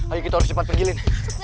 ayo kita harus cepat pergi lin